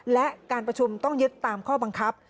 และการประชุมต้องยึดตามข้อบังคับ